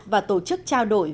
và tổ chức trao đổi